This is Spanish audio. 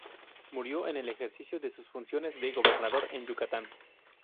Murió en el ejercicio de sus funciones de gobernador en Yucatán.